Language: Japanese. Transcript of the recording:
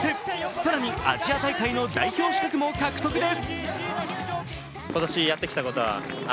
更にアジア大会の代表資格も獲得です。